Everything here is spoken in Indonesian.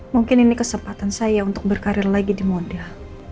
mungkin ini kesempatan saya untuk berkarir lagi di modal